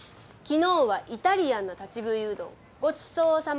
昨日はイタリアンな立ち食いうどんご馳走様でした。